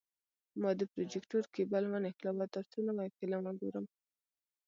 ما د پروجیکتور کیبل ونښلاوه، ترڅو نوی فلم وګورم.